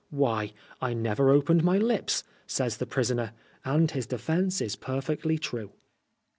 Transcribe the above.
" Why, I never opened my lips," says the prisoner, and his de fence is perfectly true.